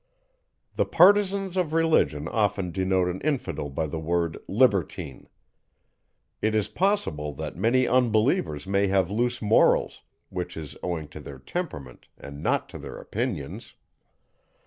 _ The partisans of Religion often denote an infidel by the word libertine. It is possible that many unbelievers may have loose morals, which is owing to their temperament, and not to their opinions.